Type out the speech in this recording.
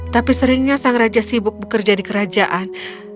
tapi seringnya sang raja sibuk bekerja di kerajaan